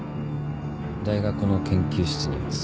大学の研究室にいます。